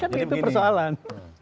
kan itu persoalan